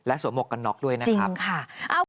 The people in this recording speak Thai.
และสวมกับกันน็อกด้วยนะครับจริงค่ะ